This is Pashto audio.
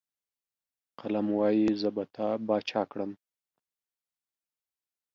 قلم وايي، زه به تا باچا کړم.